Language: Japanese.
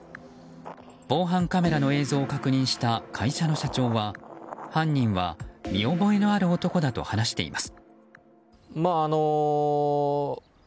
防犯カメラの映像を確認した会社の社長は犯人は見覚えのある男だと話しています。